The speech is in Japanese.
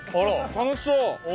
楽しそう！